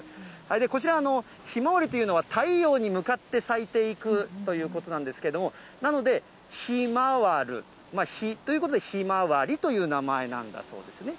こちら、ひまわりというのは、太陽に向かって咲いていくということなんですけども、なので、ひまわる、ひということで、ひまわりという名前なんだそうですね。